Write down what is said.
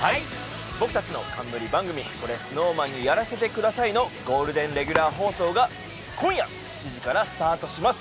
僕たちの冠番組、「それＳｎｏｗＭａｎにやらせて下さい」のゴールデンレギュラー放送が今夜７時から放送します。